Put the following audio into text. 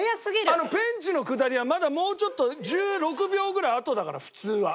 あのペンチのくだりはまだもうちょっと１６秒ぐらいあとだから普通は。